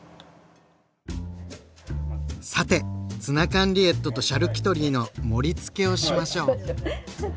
さて「ツナ缶リエットとシャルキュトリー」の盛りつけをしましょう！